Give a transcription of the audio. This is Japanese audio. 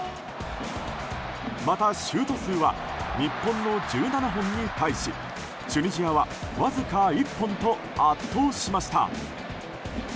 また、シュート数は日本の１７本に対しチュニジアはわずか１本と圧倒しました。